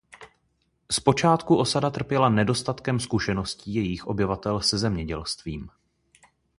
Zpočátku osada trpěla nedostatkem zkušeností jejích obyvatel se zemědělstvím.